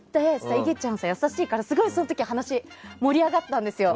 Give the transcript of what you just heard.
いげちゃん、優しいからその時、すごく話が盛り上がったんですよ。